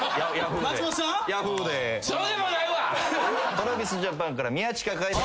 ＴｒａｖｉｓＪａｐａｎから宮近海斗君です。